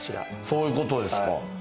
そういうことですか。